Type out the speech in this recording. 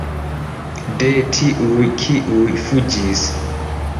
De tiuj, kiuj fuĝis.